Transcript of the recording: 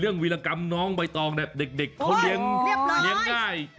เรื่องวิรากรรมน้องใบตองแบบเด็กเขาเลี้ยงง่าย